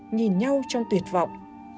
nhìn nhau trong tuyệt vọng